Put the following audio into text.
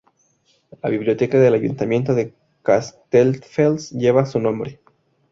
La Biblioteca del Ayuntamiento de Castelldefels lleva su nombre.